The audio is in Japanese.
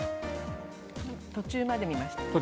途中まで見ました。